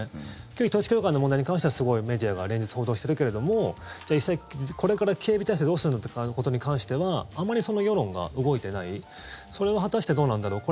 旧統一教会の問題に関してはメディアが連日報道してるけど実際、これから警備態勢どうするのってことに関してはあまり世論が動いていないそれは果たしてどうなんだろう